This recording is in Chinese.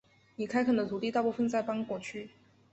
已开垦的土地大部分在邦果区。